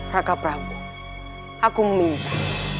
raka prabu aku meminta